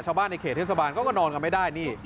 ชาวบ้านในเขตเหตุสาบานเขาก็นอนกันไม่ได้